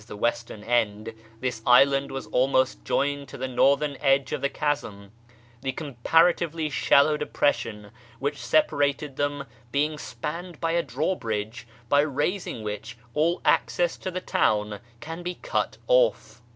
the western) end this island was almost joined to the northern edge of the chasm, the comparatively shallow depression which separated them being spanned by a drawbridge, by raising which all access to the town can be cut off.